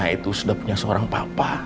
aku mau mengutuk rai